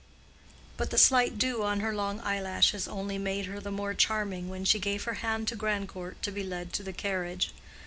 But the slight dew on her long eyelashes only made her the more charming when she gave her hand to Grandcourt to be led to the carriage.